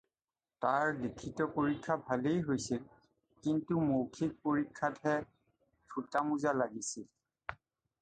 তাৰ লিখিত পৰীক্ষা ভালেই হৈছিল, কিন্তু মৌখিক পৰীক্ষাতহে ঠোঁটা-মোজা লাগিছিল।